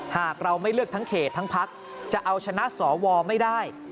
หากเราไม่เลือกทั้งเขตทั้งพักจะเอาชนะสวไม่ได้